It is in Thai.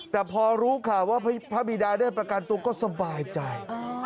แต่พอรู้ข่าวว่าพระบิดาได้ประกันตัวก็สบายใจ